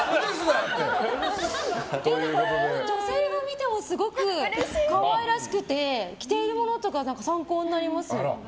女性が見てもすごく可愛らしくて着ているものとか参考になります。